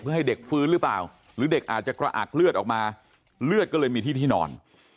เพื่อให้เด็กฟื้นหรือเปล่าหรือเด็กอาจจะกระอักเลือดออกมาเลือดก็เลยมีที่ที่นอน